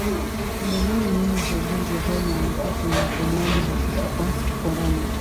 Dalili muhimu za ugonjwa wa homa ya mapafu ni upumuaji hafifu kwa kukoroma